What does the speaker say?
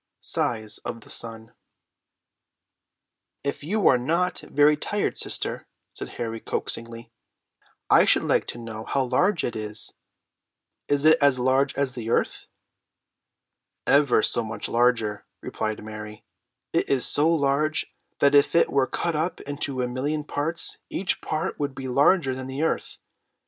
SIZE OF THE SUN. "If you are not very tired, sister," said Harry coaxingly, "I should like to know how large it is. Is it as large as the earth?" "Ever so much larger," replied Mary. "It is so large that if it were cut up into a million parts, each part would be larger than the earth.